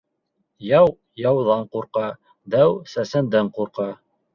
Яу яуҙан ҡурҡа, дау сәсәндән ҡурҡа.